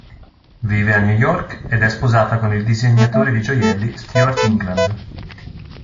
Vive a New York ed è sposata con il disegnatore di gioielli Stuart England.